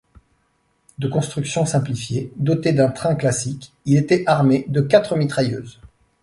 De construction simplifiée, doté d'un train classique, il était armé de quatre mitrailleuses.